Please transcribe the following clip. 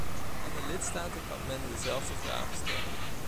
Aan de lidstaten kan men dezelfde vraag stellen.